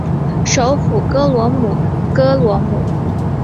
首府戈罗姆戈罗姆。